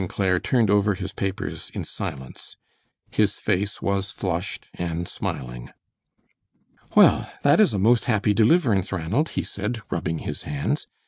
Clair turned over his papers in silence. His face was flushed and smiling. "Well, that is a most happy deliverance, Ranald," he said, rubbing his hands.